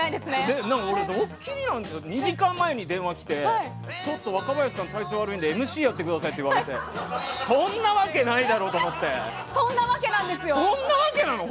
２時間前に電話が来てちょっと若林さんの体調が悪いのでＭＣやってくださいって言われてそんなわけないだろうと思ってそんなわけなの？